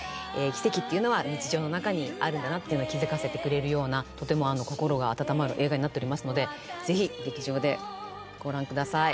奇跡っていうのは日常の中にあるんだなっていうのを気付かせてくれるようなとても心が温まる映画になっておりますので是非劇場でご覧ください